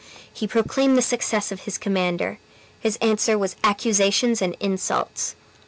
He proclaimed the success of his commander. His answer was accusations and insults.